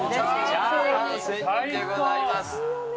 チャーハン仙人でございます。